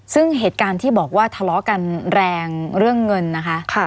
ซึ่งเหตุการณ์ที่บอกว่าทะเลาะกันแรงเรื่องเงินนะคะ